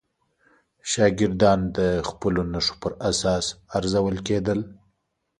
شاګردان د خپلو نښو پر اساس ارزول کېدل.